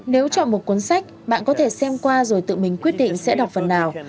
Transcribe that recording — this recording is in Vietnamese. nếu chọn một cuốn sách bạn có thể xem qua rồi tự mình quyết định sẽ đọc phần nào